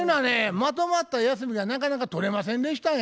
まとまった休みがなかなか取れませんでしたんや。